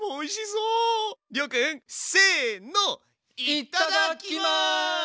いっただっきます！